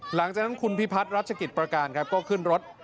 หลังจากนั้นคุณพิพัฒน์รัชกิจประการครับก็ขึ้นรถ